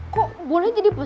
kok boleh dikabur